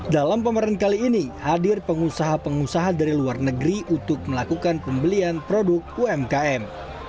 dalam pameran kali ini hadir pengusaha pengusaha dari luar negeri untuk melakukan pembelian produk umkm